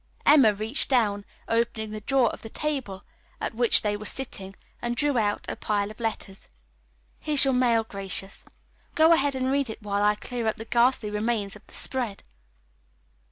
Emma reached down, opened the drawer of the table at which they were sitting, and drew out a pile of letters. "Here's your mail, Gracious. Go ahead and read it while I clear up the ghastly remains of the spread."